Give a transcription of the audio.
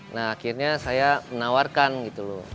nah akhirnya saya menawarkan gitu loh